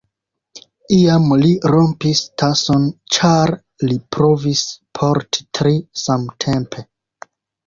Iam li rompis tason, ĉar li provis porti tri samtempe.